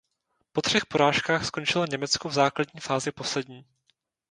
Po třech porážkách skončilo Německo v základní fázi poslední.